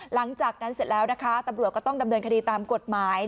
หลังจากนั้นเสร็จแล้วนะคะตำรวจก็ต้องดำเนินคดีตามกฎหมาย